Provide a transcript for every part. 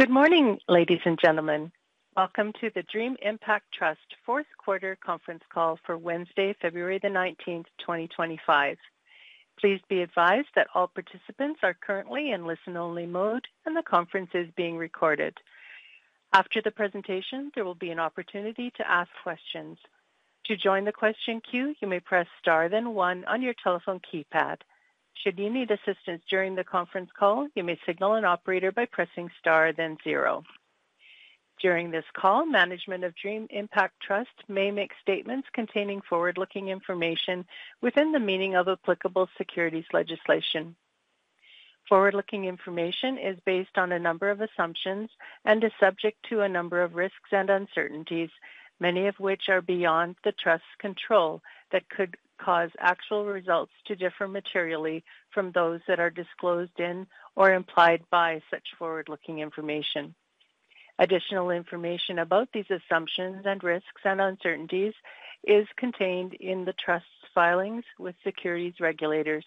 Good morning, ladies and gentlemen. Welcome to the Dream Impact Trust fourth quarter conference call for Wednesday, February the 19th, 2025. Please be advised that all participants are currently in listen-only mode and the conference is being recorded. After the presentation, there will be an opportunity to ask questions. To join the question queue, you may press star then one on your telephone keypad. Should you need assistance during the conference call, you may signal an operator by pressing star then zero. During this call, management of Dream Impact Trust may make statements containing forward-looking information within the meaning of applicable securities legislation. Forward-looking information is based on a number of assumptions and is subject to a number of risks and uncertainties, many of which are beyond the trust's control that could cause actual results to differ materially from those that are disclosed in or implied by such forward-looking information. Additional information about these assumptions and risks and uncertainties is contained in the trust's filings with securities regulators,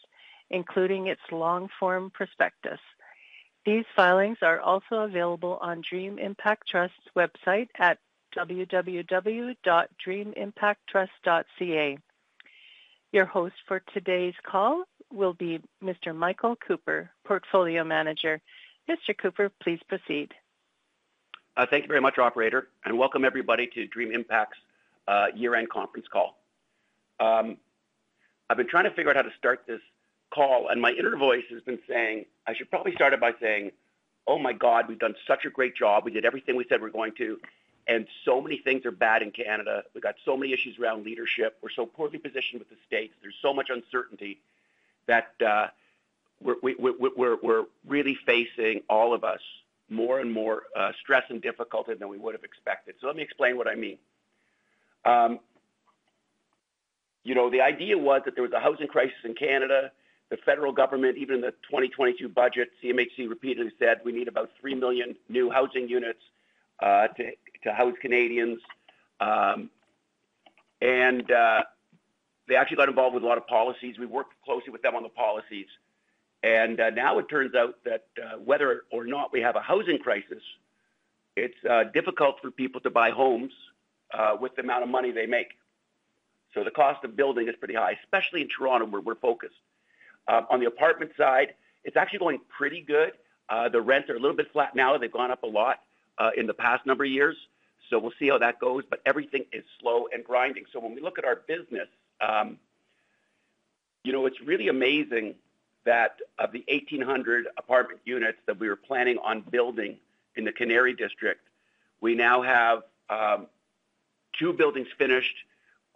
including its long-form prospectus. These filings are also available on Dream Impact Trust's website at www.dreamimpacttrust.ca. Your host for today's call will be Mr. Michael Cooper, Portfolio Manager. Mr. Cooper, please proceed. Thank you very much, Operator, and welcome everybody to Dream Impact Trust's year-end conference call. I've been trying to figure out how to start this call, and my inner voice has been saying, I should probably start it by saying, "Oh my God, we've done such a great job. We did everything we said we're going to, and so many things are bad in Canada. We've got so many issues around leadership. We're so poorly positioned with the states. There's so much uncertainty that we're really facing, all of us, more and more stress and difficulty than we would have expected." Let me explain what I mean. You know, the idea was that there was a housing crisis in Canada. The federal government, even in the 2022 budget, CMHC repeatedly said we need about 3 million new housing units to house Canadians. They actually got involved with a lot of policies. We worked closely with them on the policies. Now it turns out that whether or not we have a housing crisis, it's difficult for people to buy homes with the amount of money they make. The cost of building is pretty high, especially in Toronto, where we're focused. On the apartment side, it's actually going pretty good. The rents are a little bit flat now. They've gone up a lot in the past number of years. We'll see how that goes. Everything is slow and grinding. When we look at our business, you know, it's really amazing that of the 1,800 apartment units that we were planning on building in the Canary District, we now have two buildings finished.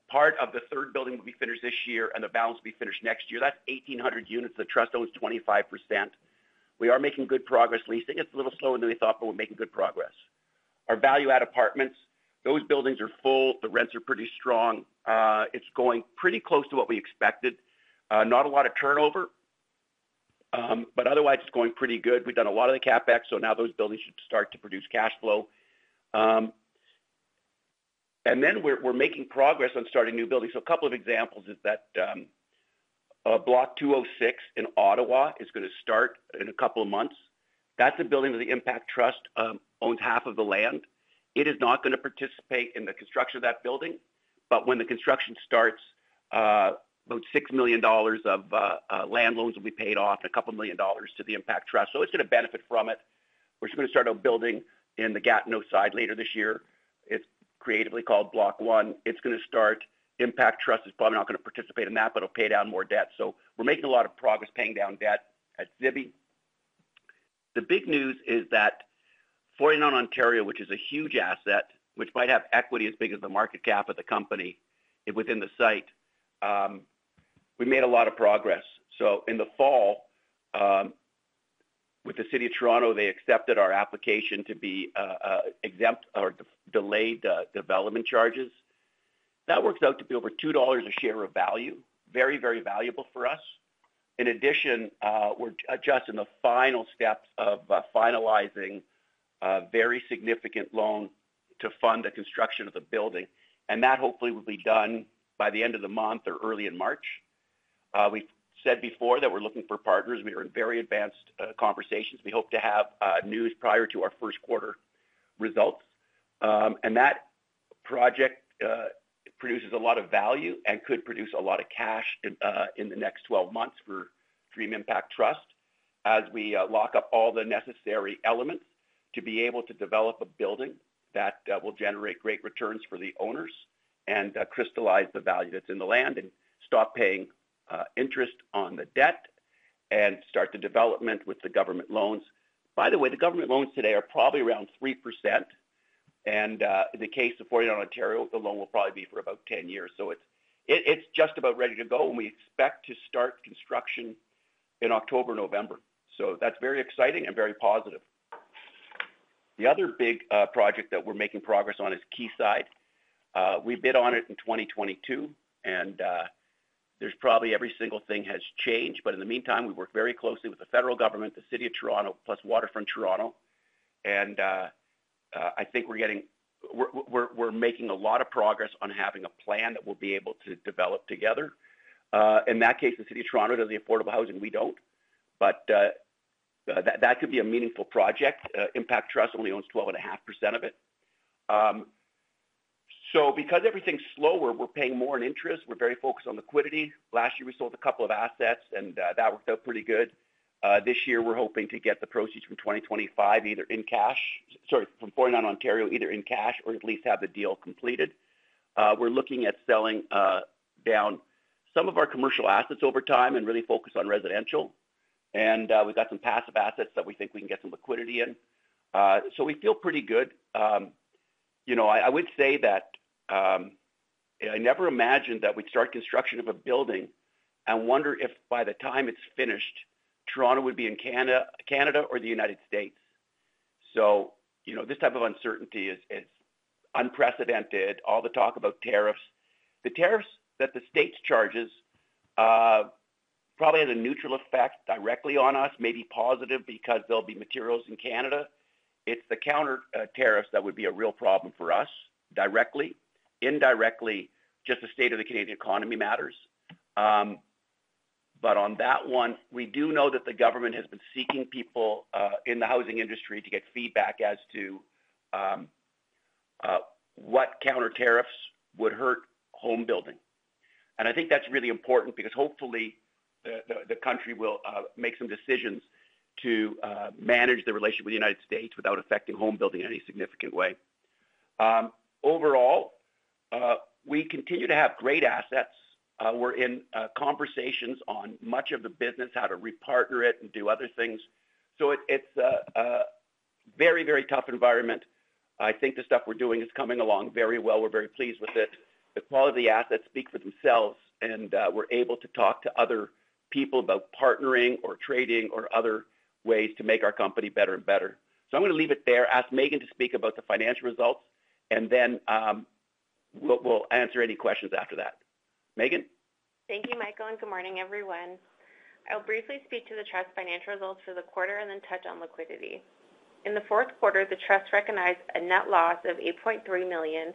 Part of the third building will be finished this year, and the balance will be finished next year. That is 1,800 units. The trust owns 25%. We are making good progress leasing. It is a little slower than we thought, but we are making good progress. Our value-add apartments, those buildings are full. The rents are pretty strong. It is going pretty close to what we expected. Not a lot of turnover, but otherwise it is going pretty good. We have done a lot of the CapEx, so now those buildings should start to produce cash flow. We are making progress on starting new buildings. A couple of examples is that Block 206 in Ottawa is going to start in a couple of months. That is a building that the Dream Impact Trust owns half of the land. It is not going to participate in the construction of that building, but when the construction starts, about 6 million dollars of land loans will be paid off and a couple million dollars to the Dream Impact Trust. It is going to benefit from it. We are just going to start a building in the Gatineau side later this year. It is creatively called Block One. It is going to start. Dream Impact Trust is probably not going to participate in that, but it will pay down more debt. We are making a lot of progress paying down debt at Zibi. The big news is that 49 Ontario, which is a huge asset, which might have equity as big as the market cap of the company, is within the site. We made a lot of progress. In the fall, with the City of Toronto, they accepted our application to be exempt or delayed development charges. That works out to be over 2 dollars a share of value, very, very valuable for us. In addition, we are adjusting the final steps of finalizing a very significant loan to fund the construction of the building. That hopefully will be done by the end of the month or early in March. We have said before that we are looking for partners. We are in very advanced conversations. We hope to have news prior to our first quarter results. That project produces a lot of value and could produce a lot of cash in the next 12 months for Dream Impact Trust as we lock up all the necessary elements to be able to develop a building that will generate great returns for the owners and crystallize the value that is in the land and stop paying interest on the debt and start the development with the government loans. By the way, the government loans today are probably around 3%. In the case of 49 Ontario, the loan will probably be for about 10 years. It is just about ready to go, and we expect to start construction in October or November. That is very exciting and very positive. The other big project that we are making progress on is Quayside. We bid on it in 2022, and there is probably every single thing has changed. In the meantime, we work very closely with the federal government, the City of Toronto, plus Waterfront Toronto. I think we are making a lot of progress on having a plan that we will be able to develop together. In that case, the City of Toronto does the affordable housing. We do not. That could be a meaningful project. Dream Impact Trust only owns 12.5% of it. Because everything's slower, we're paying more in interest. We're very focused on liquidity. Last year, we sold a couple of assets, and that worked out pretty good. This year, we're hoping to get the proceeds from 2025, either in cash, sorry, from 49 Ontario, either in cash or at least have the deal completed. We're looking at selling down some of our commercial assets over time and really focus on residential. We've got some passive assets that we think we can get some liquidity in. We feel pretty good. You know, I would say that I never imagined that we'd start construction of a building and wonder if by the time it's finished, Toronto would be in Canada or the United States. You know, this type of uncertainty is unprecedented. All the talk about tariffs. The tariffs that the state charges probably has a neutral effect directly on us, maybe positive because there'll be materials in Canada. It's the counter tariffs that would be a real problem for us directly. Indirectly, just the state of the Canadian economy matters. On that one, we do know that the government has been seeking people in the housing industry to get feedback as to what counter tariffs would hurt home building. I think that's really important because hopefully the country will make some decisions to manage the relation with the United States without affecting home building in any significant way. Overall, we continue to have great assets. We're in conversations on much of the business, how to repartner it and do other things. It's a very, very tough environment. I think the stuff we're doing is coming along very well. We're very pleased with it. The quality of the assets speak for themselves, and we're able to talk to other people about partnering or trading or other ways to make our company better and better. I'm going to leave it there, ask Meaghan to speak about the financial results, and then we'll answer any questions after that. Meaghan. Thank you, Michael, and good morning, everyone. I'll briefly speak to the trust's financial results for the quarter and then touch on liquidity. In the fourth quarter, the trust recognized a net loss of 8.3 million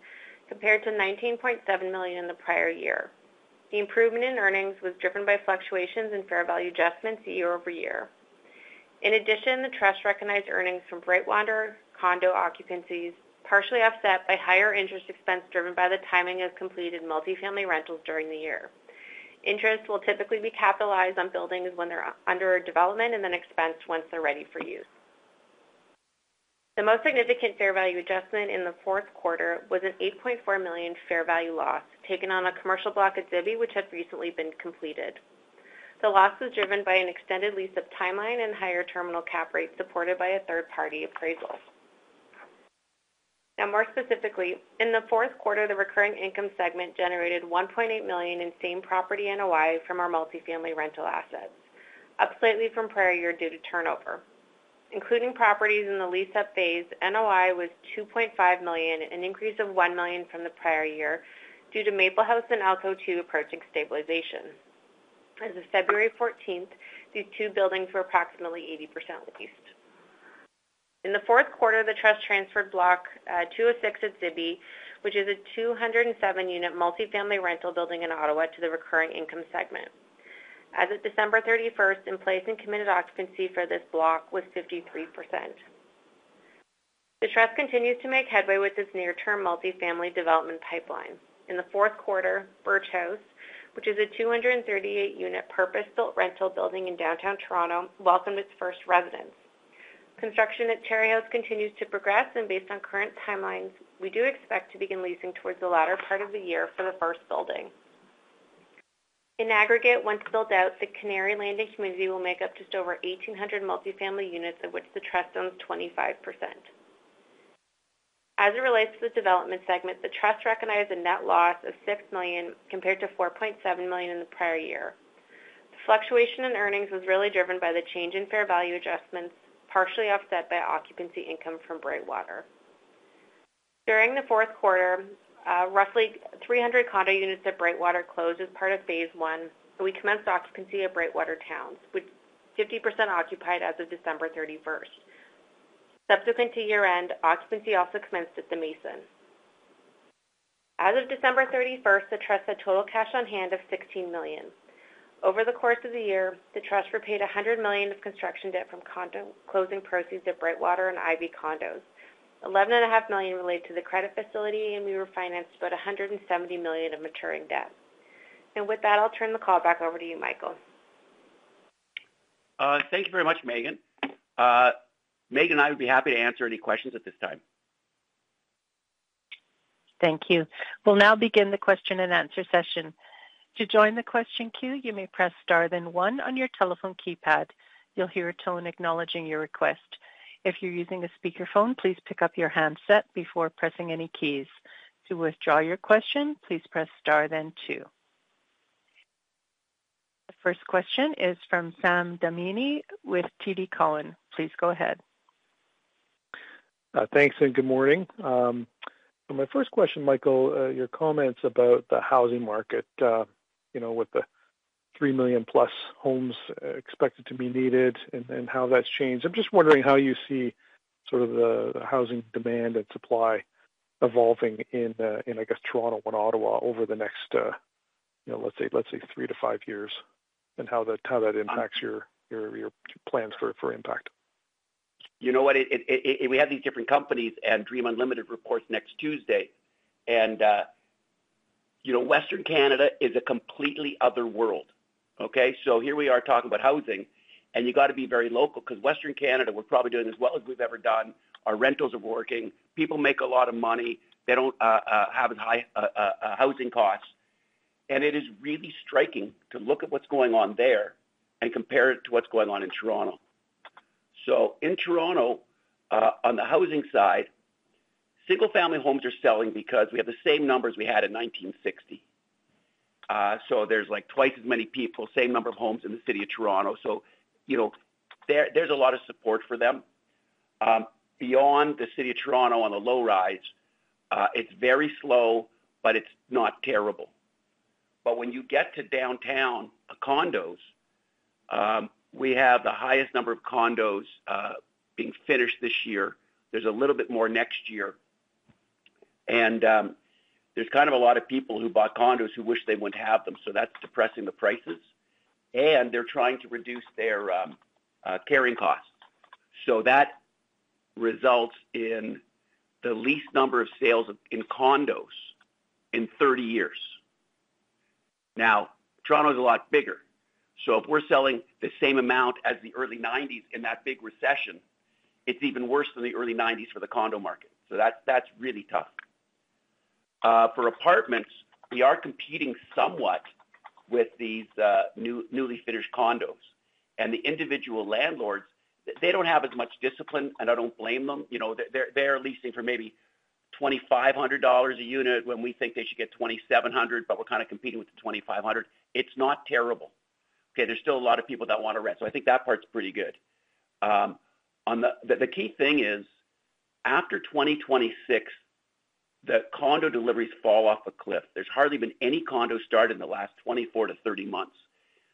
compared to 19.7 million in the prior year. The improvement in earnings was driven by fluctuations in fair value adjustments year over year. In addition, the trust recognized earnings from Brightwater condo occupancies partially offset by higher interest expense driven by the timing of completed multi-family rentals during the year. Interest will typically be capitalized on buildings when they're under development and then expensed once they're ready for use. The most significant fair value adjustment in the fourth quarter was a 8.4 million fair value loss taken on a commercial block at Zibi, which had recently been completed. The loss was driven by an extended lease-up timeline and higher terminal cap rate supported by a third-party appraisal. Now, more specifically, in the fourth quarter, the recurring income segment generated 1.8 million in same property NOI from our multi-family rental assets, up slightly from prior year due to turnover. Including properties in the lease-up phase, NOI was 2.5 million, an increase of 1 million from the prior year due to Maple House and Alto 2 approaching stabilization. As of February 14th, these two buildings were approximately 80% leased. In the fourth quarter, the trust transferred Block 206 at Zibi, which is a 207-unit multi-family rental building in Ottawa, to the recurring income segment. As of December 31st, in place and committed occupancy for this block was 53%. The trust continues to make headway with its near-term multi-family development pipeline. In the fourth quarter, Birch House, which is a 238-unit purpose-built rental building in downtown Toronto, welcomed its first residents. Construction at Cherry House continues to progress, and based on current timelines, we do expect to begin leasing towards the latter part of the year for the first building. In aggregate, once built out, the Canary Landing community will make up just over 1,800 multi-family units, of which the trust owns 25%. As it relates to the development segment, the trust recognized a net loss of 6 million compared to 4.7 million in the prior year. The fluctuation in earnings was really driven by the change in fair value adjustments, partially offset by occupancy income from Brightwater. During the fourth quarter, roughly 300 condo units at Brightwater closed as part of phase one, and we commenced occupancy at Brightwater Towns, which was 50% occupied as of December 31. Subsequent to year-end, occupancy also commenced at The Mason. As of December 31, the trust had total cash on hand of 16 million. Over the course of the year, the trust repaid 100 million of construction debt from condo closing proceeds at Brightwater and Ivy Condos. 11.5 million related to the credit facility, and we refinanced about 170 million of maturing debt. With that, I'll turn the call back over to you, Michael. Thank you very much, Meaghan. Meaghan and I would be happy to answer any questions at this time. Thank you. We'll now begin the question and answer session. To join the question queue, you may press star then one on your telephone keypad. You'll hear a tone acknowledging your request. If you're using a speakerphone, please pick up your handset before pressing any keys. To withdraw your question, please press star then two. The first question is from Sam Damiani with TD Cowen. Please go ahead. Thanks and good morning. My first question, Michael, your comments about the housing market, you know, with the 3 million-plus homes expected to be needed and how that's changed. I'm just wondering how you see sort of the housing demand and supply evolving in, I guess, Toronto and Ottawa over the next, you know, let's say, let's say three to five years and how that Impacts your plans for Impact. You know what? We have these different companies, and Dream Unlimited reports next Tuesday. You know, Western Canada is a completely other world, okay? Here we are talking about housing, and you've got to be very local because Western Canada, we're probably doing as well as we've ever done. Our rentals are working. People make a lot of money. They do not have as high housing costs. It is really striking to look at what's going on there and compare it to what's going on in Toronto. In Toronto, on the housing side, single-family homes are selling because we have the same numbers we had in 1960. There are like twice as many people, same number of homes in the City of Toronto. You know, there's a lot of support for them. Beyond the City of Toronto on the low rise, it's very slow, but it's not terrible. When you get to downtown, the condos, we have the highest number of condos being finished this year. There's a little bit more next year. There are a lot of people who bought condos who wish they wouldn't have them. That is depressing the prices. They are trying to reduce their carrying costs. That results in the least number of sales in condos in 30 years. Now, Toronto is a lot bigger. If we're selling the same amount as the early 1990s in that big recession, it's even worse than the early 1990s for the condo market. That is really tough. For apartments, we are competing somewhat with these newly finished condos. The individual landlords do not have as much discipline, and I do not blame them. You know, they're leasing for maybe 2,500 dollars a unit when we think they should get 2,700, but we're kind of competing with the 2,500. It's not terrible. Okay, there's still a lot of people that want to rent. I think that part's pretty good. The key thing is, after 2026, the condo deliveries fall off a cliff. There's hardly been any condos started in the last 24 to 30 months.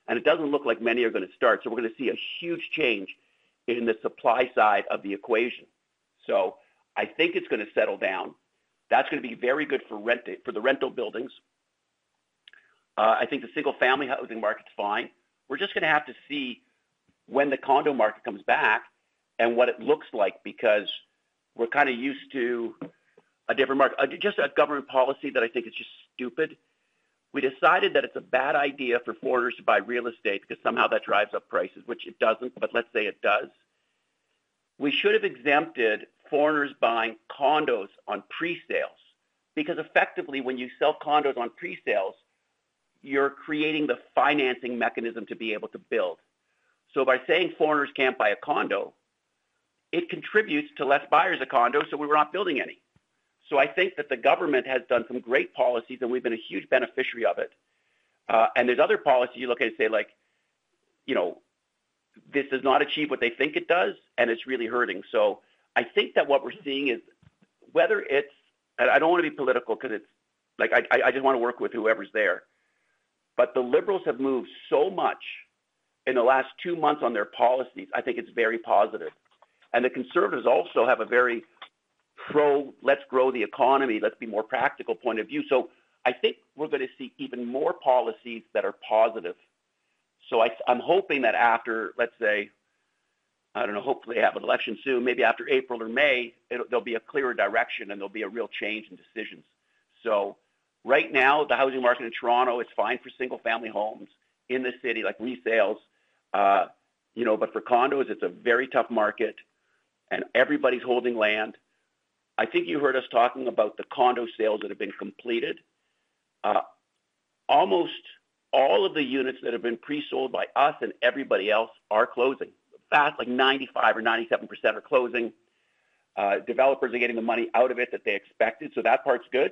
It doesn't look like many are going to start. We're going to see a huge change in the supply side of the equation. I think it's going to settle down. That's going to be very good for the rental buildings. I think the single-family housing market's fine. We're just going to have to see when the condo market comes back and what it looks like because we're kind of used to a different market. Just a government policy that I think is just stupid. We decided that it is a bad idea for foreigners to buy real estate because somehow that drives up prices, which it does not, but let's say it does. We should have exempted foreigners buying condos on pre-sales because effectively, when you sell condos on pre-sales, you are creating the financing mechanism to be able to build. By saying foreigners cannot buy a condo, it contributes to fewer buyers of condos, so we are not building any. I think that the government has done some great policies, and we have been a huge beneficiary of it. There are other policies you look at and say, like, you know, this does not achieve what they think it does, and it is really hurting. I think that what we're seeing is whether it's--and I don't want to be political because it's--like, I just want to work with whoever's there. The liberals have moved so much in the last two months on their policies. I think it's very positive. The conservatives also have a very pro-let's grow the economy, let's be more practical point of view. I think we're going to see even more policies that are positive. I'm hoping that after, let's say, I don't know, hopefully they have an election soon, maybe after April or May, there will be a clearer direction and there will be a real change in decisions. Right now, the housing market in Toronto is fine for single-family homes in the city, like resales, you know, but for condos, it's a very tough market, and everybody's holding land. I think you heard us talking about the condo sales that have been completed. Almost all of the units that have been pre-sold by us and everybody else are closing. Like 95% or 97% are closing. Developers are getting the money out of it that they expected. That part's good.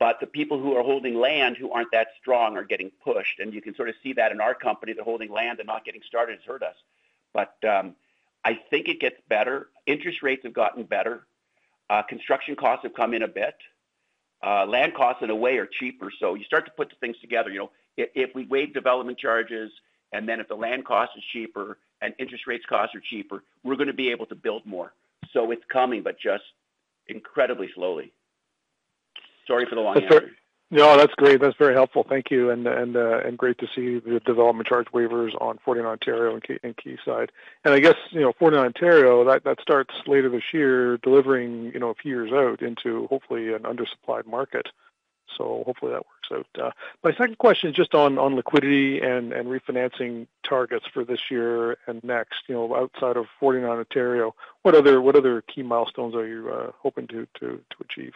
The people who are holding land who aren't that strong are getting pushed. You can sort of see that in our company. They're holding land and not getting started has hurt us. I think it gets better. Interest rates have gotten better. Construction costs have come in a bit. Land costs, in a way, are cheaper. You start to put the things together. You know, if we waive development charges and then if the land cost is cheaper and interest rates cost are cheaper, we're going to be able to build more. It is coming, but just incredibly slowly. Sorry for the long answer. No, that's great. That's very helpful. Thank you. Great to see the development charge waivers on 49 Ontario and Quayside. I guess, you know, 49 Ontario, that starts later this year, delivering, you know, a few years out into, hopefully, an undersupplied market. Hopefully that works out. My second question is just on liquidity and refinancing targets for this year and next, you know, outside of 49 Ontario, what other key milestones are you hoping to achieve?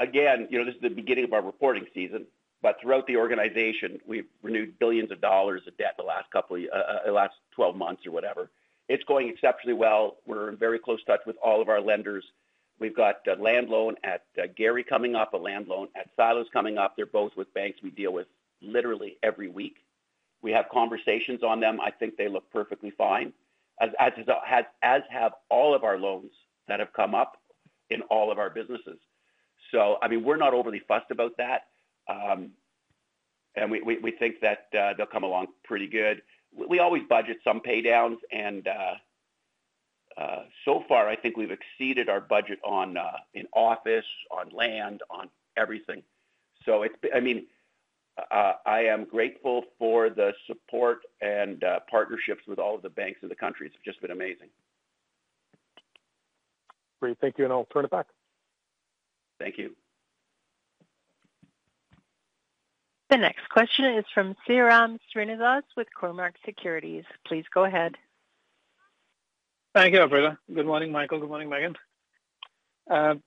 Again, you know, this is the beginning of our reporting season, but throughout the organization, we've renewed billions of dollars of debt the last couple of last 12 months or whatever. It's going exceptionally well. We're in very close touch with all of our lenders. We've got a land loan at Cherry coming up, a land loan at Silos coming up. They're both with banks we deal with literally every week. We have conversations on them. I think they look perfectly fine, as have all of our loans that have come up in all of our businesses. I mean, we're not overly fussed about that. We think that they'll come along pretty good. We always budget some paydowns. So far, I think we've exceeded our budget on in office, on land, on everything. I mean, I am grateful for the support and partnerships with all of the banks of the country. It's just been amazing. Great. Thank you. I'll turn it back. Thank you. The next question is from Sairam Srinivas with Cormark Securities. Please go ahead. Thank you, Alfredo. Good morning, Michael. Good morning, Meaghan.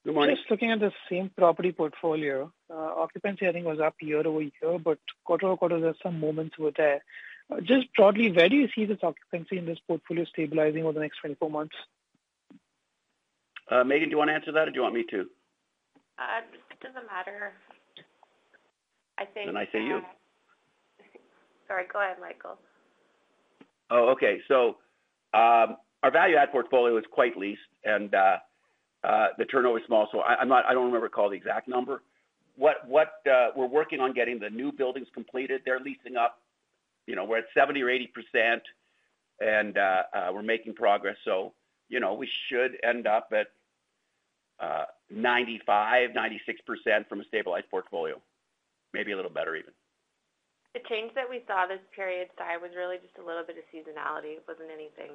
Good morning. Just looking at the same property portfolio, occupancy, I think, was up year over year, but quarter over quarter, there's some moments over there. Just broadly, where do you see this occupancy in this portfolio stabilizing over the next 24 months? Meaghan, do you want to answer that, or do you want me to? It doesn't matter. I think. I say you. Sorry. Go ahead, Michael. Oh, okay. Our value-add portfolio is quite leased, and the turnover is small. I do not remember the exact number. We are working on getting the new buildings completed. They are leasing up. You know, we are at 70% or 80%, and we are making progress. You know, we should end up at 95%-96% from a stabilized portfolio. Maybe a little better even. The change that we saw this period, Sy, was really just a little bit of seasonality. It was not anything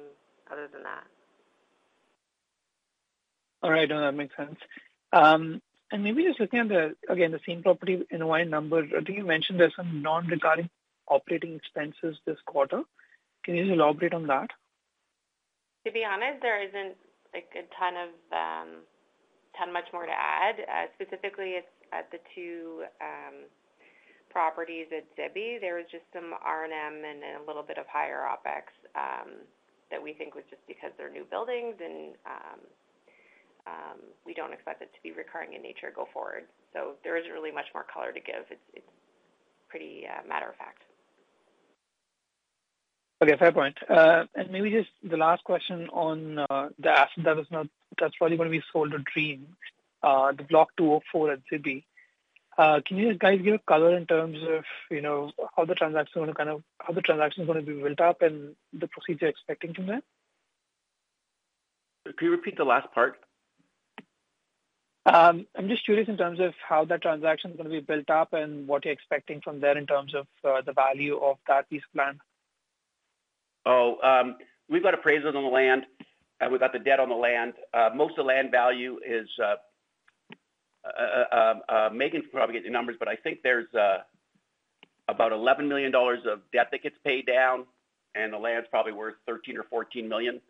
other than that. All right. No, that makes sense. Maybe just looking at, again, the same property in a wide number, I think you mentioned there's some non-recurring operating expenses this quarter. Can you elaborate on that? To be honest, there is not a ton of much more to add. Specifically, it is at the two properties at Zibi. There was just some R&M and a little bit of higher OpEx that we think was just because they are new buildings, and we do not expect it to be recurring in nature going forward. There is not really much more color to give. It is pretty matter of fact. Okay. Fair point. Maybe just the last question on that's probably going to be sold to Dream, the Block 204 at Zibi. Can you guys give a color in terms of, you know, how the transaction is going to kind of how the transaction is going to be built up and the procedure expecting from there? Could you repeat the last part? I'm just curious in terms of how that transaction is going to be built up and what you're expecting from there in terms of the value of that lease plan. Oh, we've got appraisals on the land, and we've got the debt on the land. Most of the land value is Meaghan can probably get you numbers, but I think there's about 11 million dollars of debt that gets paid down, and the land's probably worth 13 million or 14 million.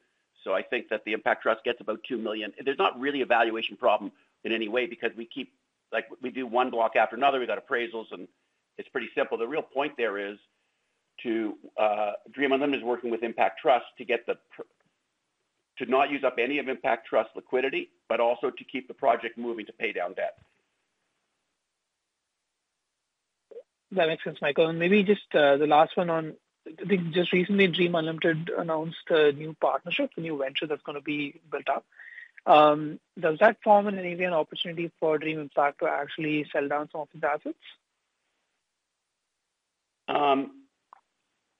I think that the Dream Impact Trust gets about 2 million. There's not really a valuation problem in any way because we keep, like, we do one block after another. We've got appraisals, and it's pretty simple. The real point there is Dream Unlimited is working with Dream Impact Trust to not use up any of Dream Impact Trust liquidity, but also to keep the project moving to pay down debt. That makes sense, Michael. Maybe just the last one on, I think just recently, Dream Unlimited announced a new partnership, a new venture that's going to be built up. Does that form an area and opportunity for Dream Impact to actually sell down some of its assets?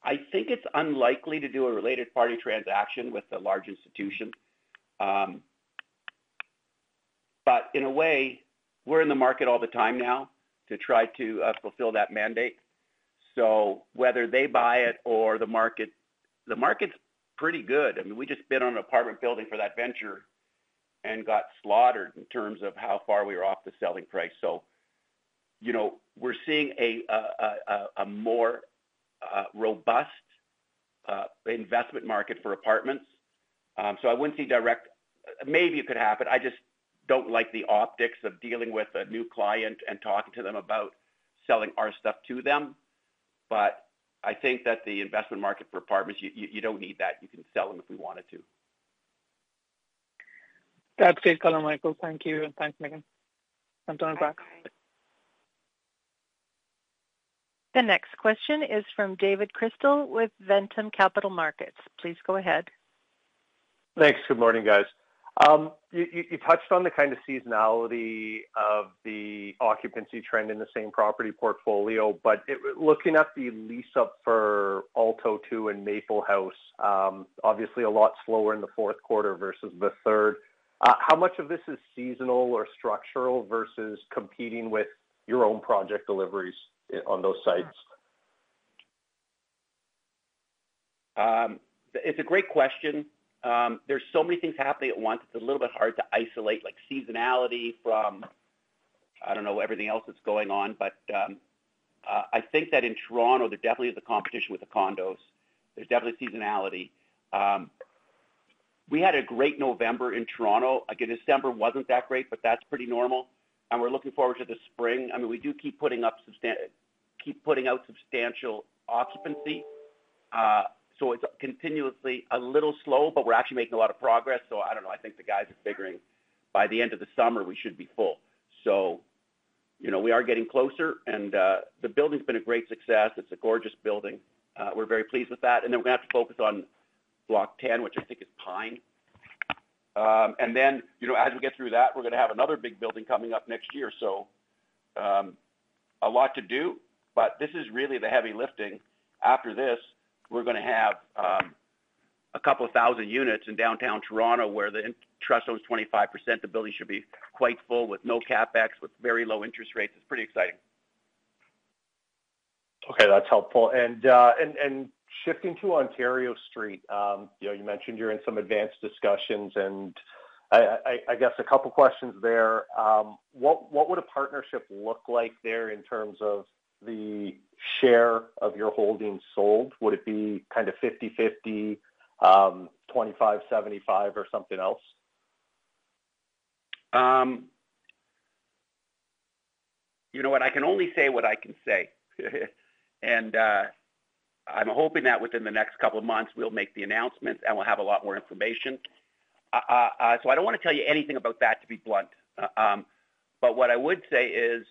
I think it's unlikely to do a related party transaction with a large institution. In a way, we're in the market all the time now to try to fulfill that mandate. Whether they buy it or the market, the market's pretty good. I mean, we just bid on an apartment building for that venture and got slaughtered in terms of how far we were off the selling price. You know, we're seeing a more robust investment market for apartments. I wouldn't see direct, maybe it could happen. I just don't like the optics of dealing with a new client and talking to them about selling our stuff to them. I think that the investment market for apartments, you don't need that. You can sell them if we wanted to. That's great color, Michael. Thank you. Thanks, Meaghan. I'm turning it back. The next question is from David Chrystal with Ventum Capital Markets. Please go ahead. Thanks. Good morning, guys. You touched on the kind of seasonality of the occupancy trend in the same property portfolio, but looking at the lease up for Alto 2 and Maple House, obviously a lot slower in the fourth quarter versus the third. How much of this is seasonal or structural versus competing with your own project deliveries on those sites? It's a great question. There are so many things happening at once. It's a little bit hard to isolate, like, seasonality from, I don't know, everything else that's going on. I think that in Toronto, there definitely is a competition with the condos. There is definitely seasonality. We had a great November in Toronto. December was not that great, but that's pretty normal. We are looking forward to the spring. I mean, we do keep putting up, keep putting out substantial occupancy. It is continuously a little slow, but we are actually making a lot of progress. I do not know. I think the guys are figuring by the end of the summer, we should be full. You know, we are getting closer, and the building has been a great success. It's a gorgeous building. We are very pleased with that. We are going to have to focus on Block 10, which I think is Pine. You know, as we get through that, we are going to have another big building coming up next year. A lot to do, but this is really the heavy lifting. After this, we are going to have a couple of thousand units in downtown Toronto where the trust owns 25%. The building should be quite full with no CapEx, with very low interest rates. It is pretty exciting. Okay. That's helpful. Shifting to Ontario Street, you know, you mentioned you're in some advanced discussions, and I guess a couple of questions there. What would a partnership look like there in terms of the share of your holdings sold? Would it be kind of 50/50, 25/75, or something else? You know what? I can only say what I can say. I'm hoping that within the next couple of months, we'll make the announcements and we'll have a lot more information. I don't want to tell you anything about that, to be blunt. What I would say is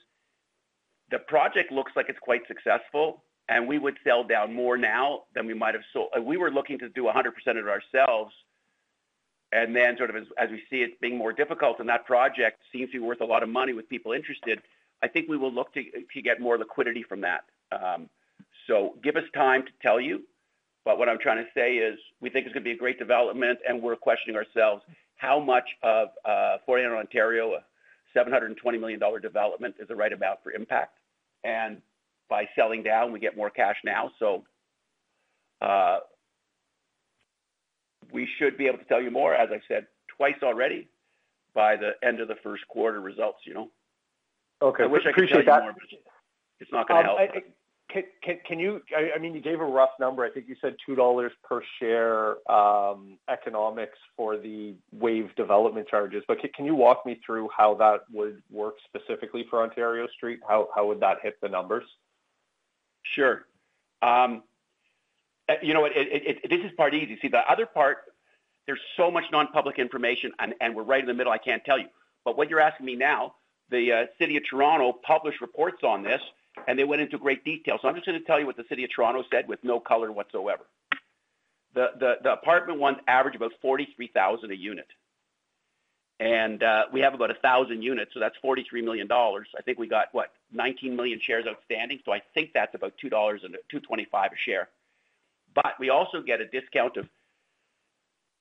the project looks like it's quite successful, and we would sell down more now than we might have sold. We were looking to do 100% of it ourselves. As we see it being more difficult and that project seems to be worth a lot of money with people interested, I think we will look to get more liquidity from that. Give us time to tell you. What I'm trying to say is we think it's going to be a great development, and we're questioning ourselves how much of 49 Ontario, a 720 million dollar development, is the right amount for Impact. By selling down, we get more cash now. We should be able to tell you more, as I said twice already, by the end of the first quarter results, you know? Okay. I appreciate that. It's not going to help. Can you, I mean, you gave a rough number. I think you said 2 dollars per share economics for the waived development charges. But can you walk me through how that would work specifically for Ontario Street? How would that hit the numbers? Sure. You know what? This is part easy. See, the other part, there is so much non-public information, and we are right in the middle. I cannot tell you. What you are asking me now, the City of Toronto published reports on this, and they went into great detail. I am just going to tell you what the City of Toronto said with no color whatsoever. The apartment ones average about 43,000 a unit. We have about 1,000 units, so that is 43 million dollars. I think we got, what, 19 million shares outstanding. I think that is about 2.25 dollars a share. We also get a discount of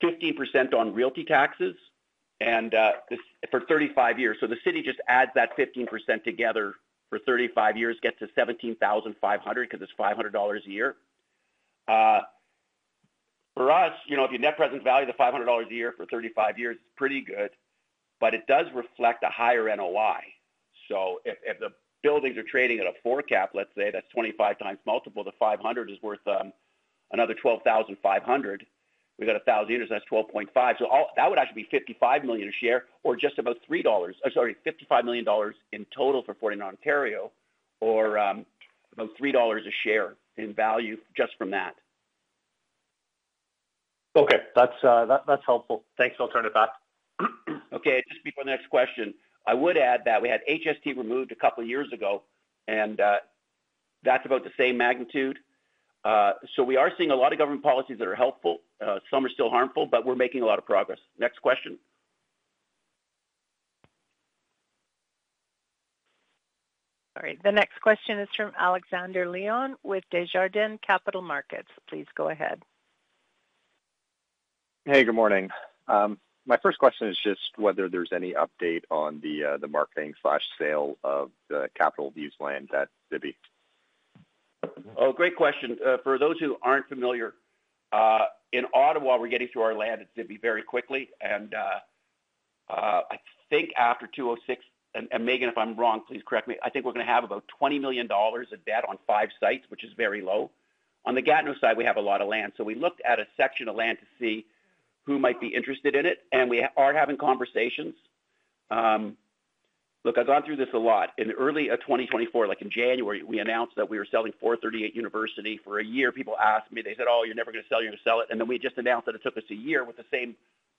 15% on realty taxes for 35 years. The city just adds that 15% together for 35 years, gets to 17,500 because it is 500 dollars a year. For us, you know, if you net present value the $500 a year for 35 years, it's pretty good, but it does reflect a higher NOI. So if the buildings are trading at a 4 cap, let's say that's 25 times multiple, the 500 is worth another 12,500. We got 1,000 units, that's 12.5. So that would actually be 55 million a share or just about 55 million dollars in total for 49 Ontario or about $3 a share in value just from that. Okay. That's helpful. Thanks. I'll turn it back. Okay. Just before the next question, I would add that we had HST removed a couple of years ago, and that's about the same magnitude. We are seeing a lot of government policies that are helpful. Some are still harmful, but we're making a lot of progress. Next question. All right. The next question is from Alexander Leon with Desjardins Capital Markets. Please go ahead. Hey, good morning. My first question is just whether there's any update on the marketing/sale of the Capital Views land at Zibi. Oh, great question. For those who aren't familiar, in Ottawa, we're getting through our land at Zibi very quickly. I think after 206, and Meaghan, if I'm wrong, please correct me, I think we're going to have about 20 million dollars of debt on five sites, which is very low. On the Gatineau side, we have a lot of land. We looked at a section of land to see who might be interested in it, and we are having conversations. Look, I've gone through this a lot. In early 2024, like in January, we announced that we were selling 438 University for a year. People asked me. They said, "Oh, you're never going to sell. You're going to sell it." We just announced that it took us a year with the same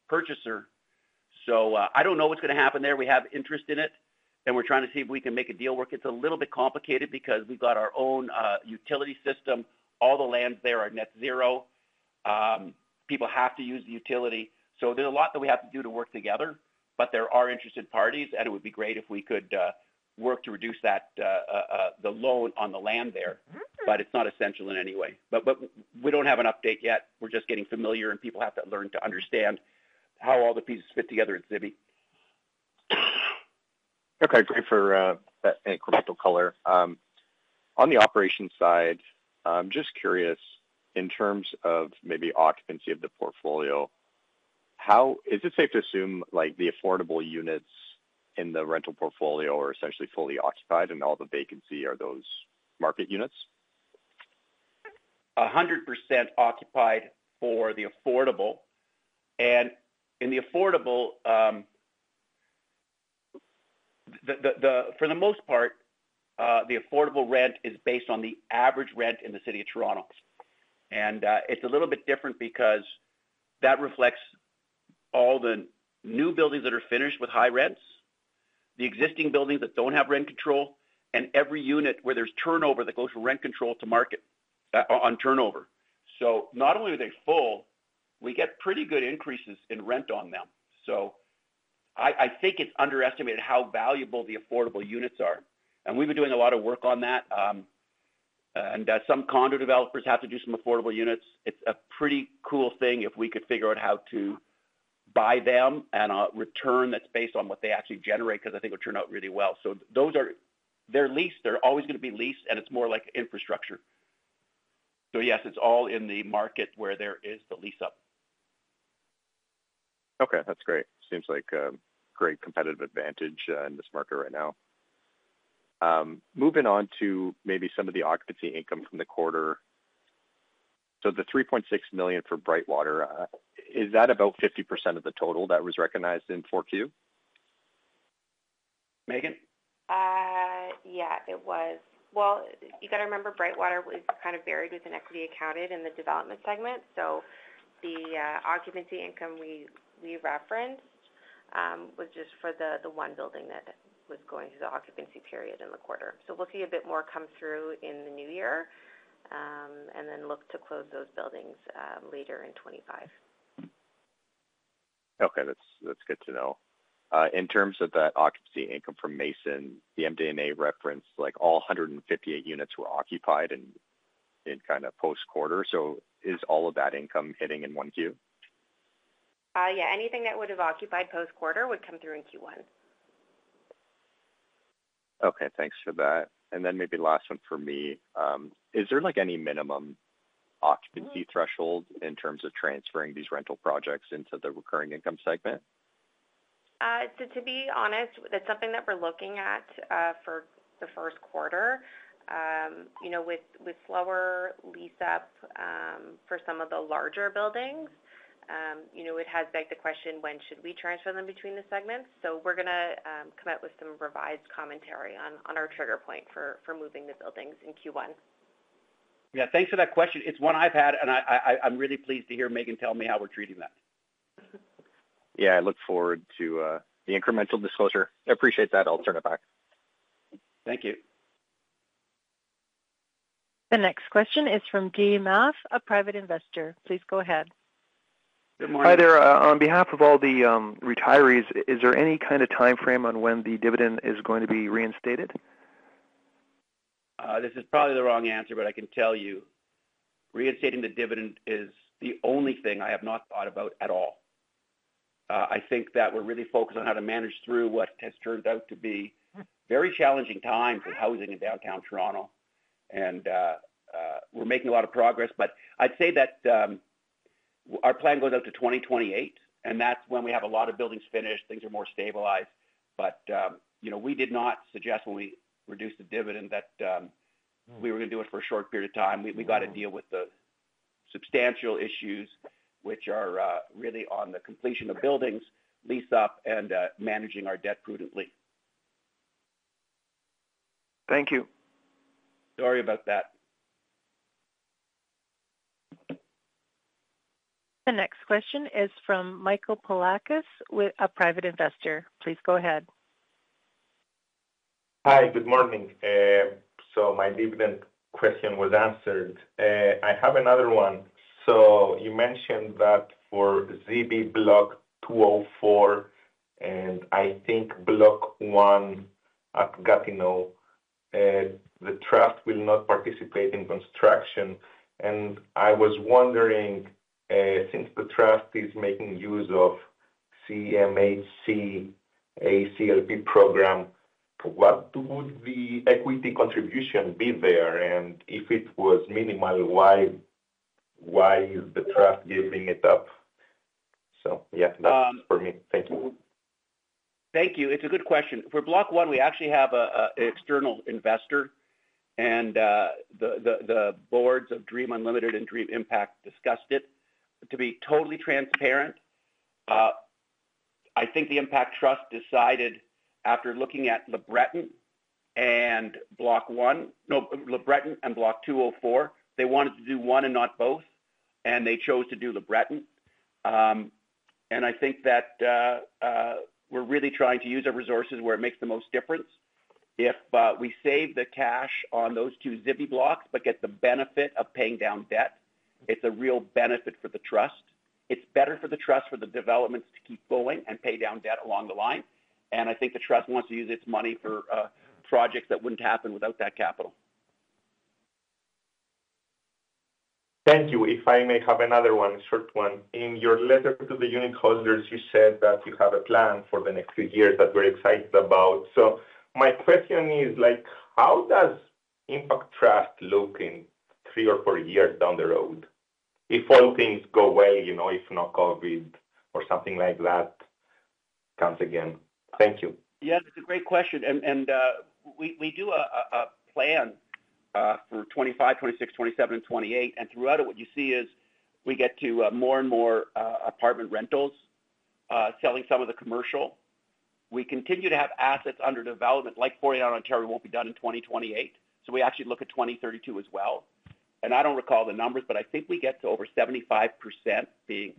purchaser. I don't know what's going to happen there. We have interest in it, and we're trying to see if we can make a deal work. It's a little bit complicated because we've got our own utility system. All the lands there are net zero. People have to use the utility. There is a lot that we have to do to work together, but there are interested parties, and it would be great if we could work to reduce the loan on the land there. It is not essential in any way. We do not have an update yet. We are just getting familiar, and people have to learn to understand how all the pieces fit together at Zibi. Okay. Great. For any correct color, on the operation side, I'm just curious in terms of maybe occupancy of the portfolio, how is it safe to assume the affordable units in the rental portfolio are essentially fully occupied and all the vacancy are those market units? 100% occupied for the affordable. In the affordable, for the most part, the affordable rent is based on the average rent in the City of Toronto. It is a little bit different because that reflects all the new buildings that are finished with high rents, the existing buildings that do not have rent control, and every unit where there is turnover that goes from rent control to market on turnover. Not only are they full, we get pretty good increases in rent on them. I think it is underestimated how valuable the affordable units are. We have been doing a lot of work on that. Some condo developers have to do some affordable units. It is a pretty cool thing if we could figure out how to buy them and a return that is based on what they actually generate because I think it would turn out really well. Those are their lease. They're always going to be leased, and it's more like infrastructure. Yes, it's all in the market where there is the lease up. Okay. That's great. Seems like a great competitive advantage in this market right now. Moving on to maybe some of the occupancy income from the quarter. The 3.6 million for Brightwater, is that about 50% of the total that was recognized in Q4? Meaghan? Yeah, it was. You got to remember Brightwater was kind of buried within equity accounted in the development segment. The occupancy income we referenced was just for the one building that was going through the occupancy period in the quarter. We will see a bit more come through in the new year and then look to close those buildings later in 2025. Okay. That's good to know. In terms of that occupancy income from Mason, the MDNA referenced like all 158 units were occupied in kind of post-quarter. So is all of that income hitting in one Q? Yeah. Anything that would have occupied post-quarter would come through in Q1. Okay. Thanks for that. Maybe last one for me. Is there like any minimum occupancy threshold in terms of transferring these rental projects into the recurring income segment? To be honest, that's something that we're looking at for the first quarter. You know, with slower lease up for some of the larger buildings, you know, it has begged the question, when should we transfer them between the segments? We are going to come out with some revised commentary on our trigger point for moving the buildings in Q1. Yeah. Thanks for that question. It's one I've had, and I'm really pleased to hear Meaghan tell me how we're treating that. Yeah. I look forward to the incremental disclosure. I appreciate that. I will turn it back. Thank you. The next question is from [Dee Mouth], a private investor. Please go ahead. Good morning. Hi there. On behalf of all the retirees, is there any kind of timeframe on when the dividend is going to be reinstated? This is probably the wrong answer, but I can tell you reinstating the dividend is the only thing I have not thought about at all. I think that we're really focused on how to manage through what has turned out to be very challenging times in housing in downtown Toronto. We're making a lot of progress, but I'd say that our plan goes out to 2028, and that's when we have a lot of buildings finished. Things are more stabilized. You know, we did not suggest when we reduced the dividend that we were going to do it for a short period of time. We got to deal with the substantial issues, which are really on the completion of buildings, lease up, and managing our debt prudently. Thank you. Sorry about that. The next question is from Michael Psalakos with a private investor. Please go ahead. Hi. Good morning. My dividend question was answered. I have another one. You mentioned that for Zibi block 204 and I think block 1 at Gatineau, the trust will not participate in construction. I was wondering, since the trust is making use of the CMHC ACLP program, what would the equity contribution be there? If it was minimal, why is the trust giving it up? That is for me. Thank you. Thank you. It's a good question. For block 1, we actually have an external investor, and the boards of Dream Unlimited and Dream Impact discussed it. To be totally transparent, I think the Dream Impact Trust decided after looking at LeBreton and block 1, no, LeBreton and block 204, they wanted to do one and not both, and they chose to do LeBreton. I think that we're really trying to use our resources where it makes the most difference. If we save the cash on those two Zibi blocks but get the benefit of paying down debt, it's a real benefit for the trust. It's better for the trust for the developments to keep going and pay down debt along the line. I think the trust wants to use its money for projects that wouldn't happen without that capital. Thank you. If I may have another one, a short one. In your letter to the unit holders, you said that you have a plan for the next few years that we're excited about. My question is, like, how does Dream Impact Trust look in three or four years down the road if all things go well, you know, if not COVID or something like that comes again? Thank you. Yeah, that's a great question. We do a plan for 2025, 2026, 2027, and 2028. Throughout it, what you see is we get to more and more apartment rentals, selling some of the commercial. We continue to have assets under development. Like 49 Ontario will not be done in 2028. We actually look at 2032 as well. I do not recall the numbers, but I think we get to over 75% being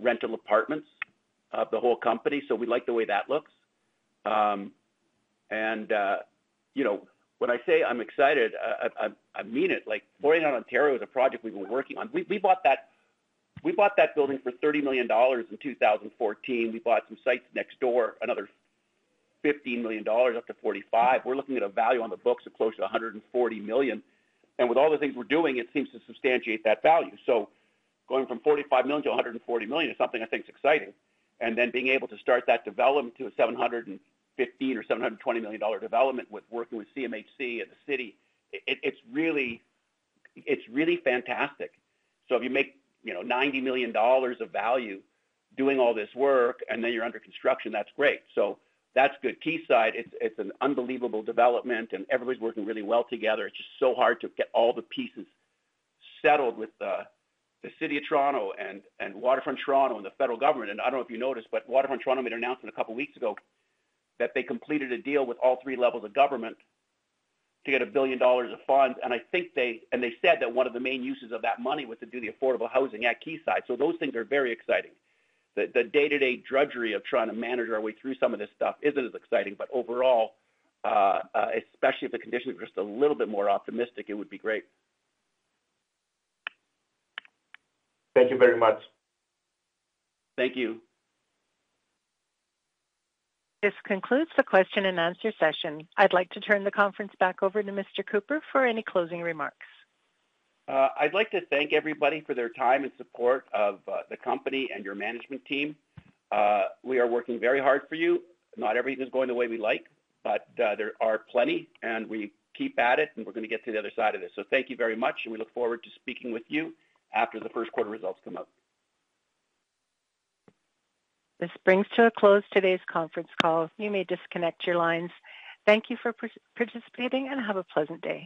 rental apartments of the whole company. We like the way that looks. You know, when I say I'm excited, I mean it. Like 49 Ontario is a project we've been working on. We bought that building for 30 million dollars in 2014. We bought some sites next door, another 15 million dollars up to 45 million. We are looking at a value on the books of close to 140 million. With all the things we're doing, it seems to substantiate that value. Going from 45 million-140 million is something I think is exciting. Being able to start that development to a 715 million or 720 million dollar development with working with CMHC and the city, it's really fantastic. If you make, you know, 90 million dollars of value doing all this work and then you're under construction, that's great. That's good. Quayside, it's an unbelievable development, and everybody's working really well together. It's just so hard to get all the pieces settled with the City of Toronto and Waterfront Toronto and the federal government. I don't know if you noticed, but Waterfront Toronto made an announcement a couple of weeks ago that they completed a deal with all three levels of government to get 1 billion dollars of funds. I think they said that one of the main uses of that money was to do the affordable housing at Quayside. Those things are very exciting. The day-to-day drudgery of trying to manage our way through some of this stuff is not as exciting. Overall, especially if the conditions were just a little bit more optimistic, it would be great. Thank you very much. Thank you. This concludes the question and answer session. I'd like to turn the conference back over to Mr. Cooper for any closing remarks. I'd like to thank everybody for their time and support of the company and your management team. We are working very hard for you. Not everything is going the way we like, but there are plenty, and we keep at it, and we're going to get to the other side of this. Thank you very much, and we look forward to speaking with you after the first quarter results come out. This brings to a close today's conference call. You may disconnect your lines. Thank you for participating and have a pleasant day.